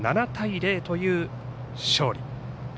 ７対０という勝利。